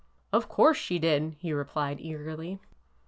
Of course she did 1 " he replied eagerly.